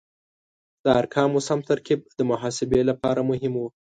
د ارقامو سم ترکیب د محاسبې لپاره مهم و.